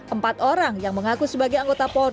empat orang yang mengaku sebagai anggota polri